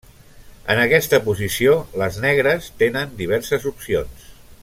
En aquesta posició, les negres tenen diverses opcions.